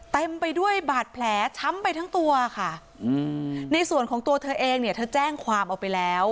เต็มไปด้วยบาดแผลช้ำไปทั้งตัวค่ะอืมในส่วนของตัวเธอเองเนี่ยเธอแจ้งความเอาไปแล้ว